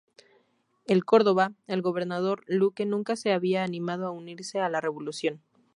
En Córdoba, el gobernador Luque nunca se había animado a unirse a la revolución.